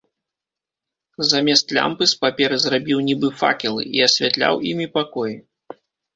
Замест лямпы з паперы зрабіў нібы факелы і асвятляў імі пакоі.